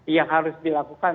yang harus dilakukan